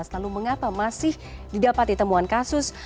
lalu mengapa masih didapat ditemuan kasus